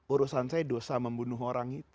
urusan saya dosa membunuh orang itu